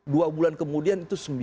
dua bulan kemudian itu sembilan